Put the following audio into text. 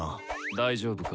大丈夫か？